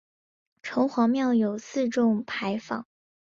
城隍庙有四重牌坊。